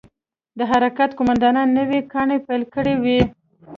د حرکت قومندانانو نوې کانې پيل کړې وې.